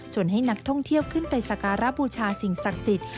ให้นักท่องเที่ยวขึ้นไปสการบูชาสิ่งศักดิ์สิทธิ์